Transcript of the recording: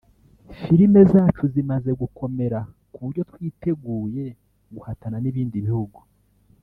filime zacu zimaze gukomera ku buryo twiteguye guhatana n’ibindi bihugu